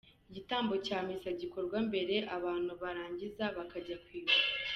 Igitambo cya misa gikorwa mbere, abantu barangiza bakajya kwibuka.